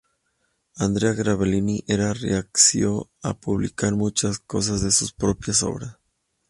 Andrea Gabrielli era reacio a publicar muchas de sus propias obras.